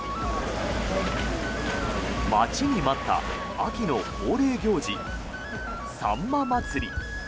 待ちに待った秋の恒例行事さんま祭。